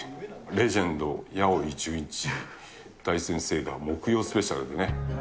レジェンド矢追純一大先生が木曜スペシャルでね。